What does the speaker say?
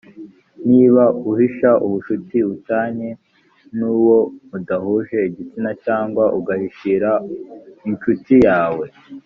niba uhisha ubucuti u tanye n uwo mudahuje igitsina cyangwa ugahishira incuti yawe